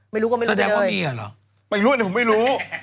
ไม่รู้ก็ไม่รู้ไปเลยแสดงว่ามีอ่ะหรอไม่รู้แต่ผมไม่รู้